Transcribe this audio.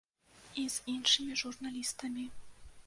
І з іншымі журналістамі.